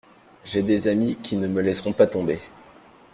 J’ai des amis qui ne me laisseront pas tomber.